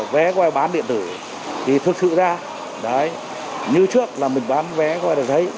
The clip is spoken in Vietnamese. và cái vé bán điện tử thì thực sự ra như trước là mình bán vé có thể thấy